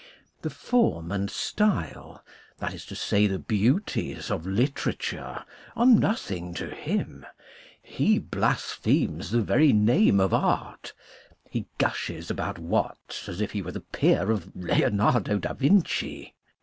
The form and style, that is to say, the beauties of literature, are nothing to him. He blas phemes the very name of art. He gushes about Watts as if he were the peer of Leonardo da Vinci.